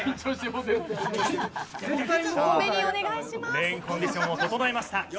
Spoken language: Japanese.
レーンコンディションを整えました。